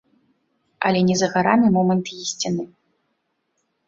Але не за гарамі момант ісціны.